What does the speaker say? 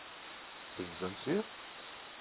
C’est une zone sûre ?